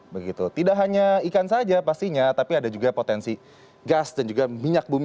begitu tidak hanya ikan saja pastinya tapi ada juga potensi gas dan juga minyak bumi